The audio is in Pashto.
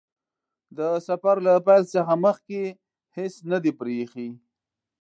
د سفر له پیل څخه مخکې هیڅ نه دي پرې ايښي.